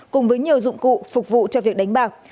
cùng với nhiều dụng cụ phục vụ cho việc đánh bạc